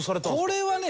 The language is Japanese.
これはね